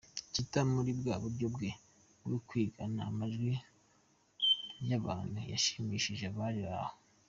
Chita muri bwa buryo bwe bwo kwigana amajwi y'abantu yashimishije abari aho.